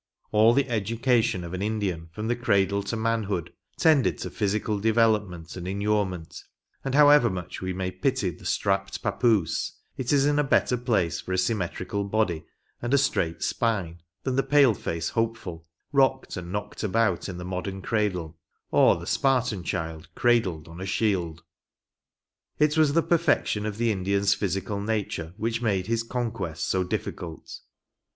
All the education of an Indian from the cradle to manhood tended to physical development and inure ment ; and however much we may pity the strapped ( 'J s; I 10 THE OaiGINAL GAME. \i papoose, it is in a better place for a symmetrical body and a straight spine, than the pale face hopeful, rocked and knocked about in the modern cradle, or the Spartan child cradled on a shield. It was the perfection of the Indian's physical nature which made his conquest so difficult.